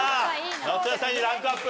夏野菜にランクアップ。